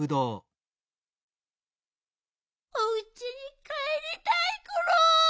おうちにかえりたいコロ。